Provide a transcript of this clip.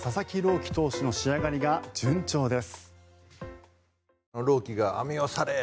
希投手の仕上がりが順調です。